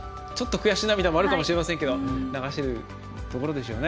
悔し涙もあるかもしれませんが流してるところでしょうね。